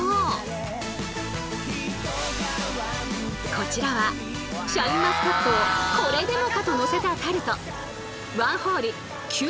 こちらはシャインマスカットをこれでもかと載せたタルト。